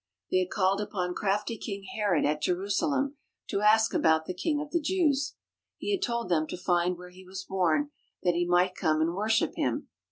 They had called upon crafty King Herod at Jerusalem to ask about the King of the Jews. He had told them to find where He was born, that he might come and worship Him.